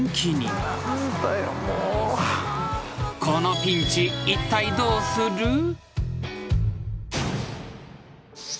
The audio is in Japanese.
［このピンチいったいどうする？］